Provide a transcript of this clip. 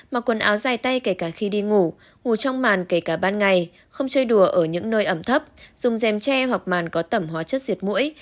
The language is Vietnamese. mặc quần áo dài tay kể cả khi đi ngủ ngủ trong màn kể cả ban ngày không chơi đùa ở những nơi ẩm thấp dùng dèm tre hoặc màn có tẩm hóa chất diệt mũi